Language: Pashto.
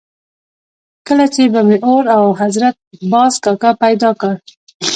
کله چې به مې اور او حضرت باز کاکا پیدا کړل.